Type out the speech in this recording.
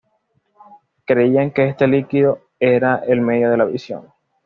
Creían que este líquido era el medio de la visión.